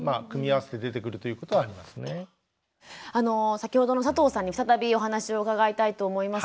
先ほどの佐藤さんに再びお話を伺いたいと思います。